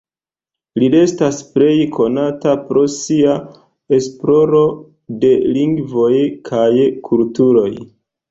Li restas plej konata pro sia esploro de lingvoj kaj kulturoj.